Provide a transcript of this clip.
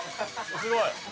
すごい！